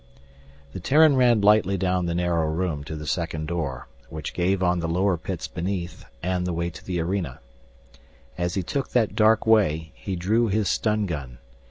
The Terran ran lightly down the narrow room to the second door, which gave on the lower pits beneath and the way to the arena. As he took that dark way, he drew his stun gun.